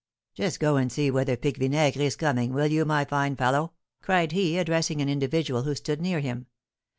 "Just go and see whether Pique Vinaigre is coming, will you, my fine fellow?" cried he, addressing an individual who stood near him.